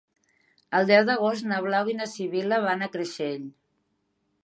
El deu d'agost na Blau i na Sibil·la van a Creixell.